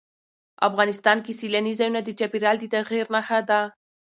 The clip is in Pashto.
افغانستان کې سیلاني ځایونه د چاپېریال د تغیر نښه ده.